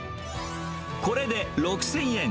これで６０００円。